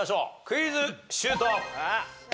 クイズシュート！